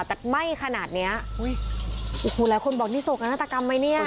แต่ไหม้ขนาดนี้หู้ยแล้วคนบอกนี่โสกนาฏกรรมไหมเนี่ย